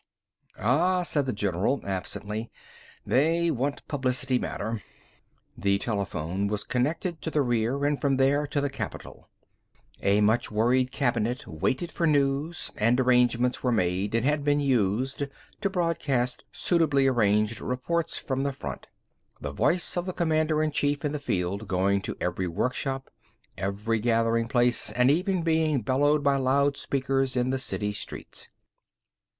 "Ah," said the general absently. "They want publicity matter." The telephone was connected to the rear, and from there to the Capital. A much worried cabinet waited for news, and arrangements were made and had been used, to broadcast suitably arranged reports from the front, the voice of the commander in chief in the field going to every workshop, every gathering place, and even being bellowed by loud speakers in the city streets.